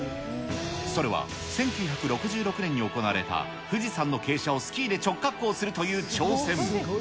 それは、１９６６年に行われた、富士山の傾斜をスキーで直滑降するという挑戦。